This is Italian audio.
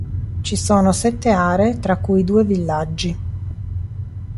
Ci sono sette aree tra cui due villaggi.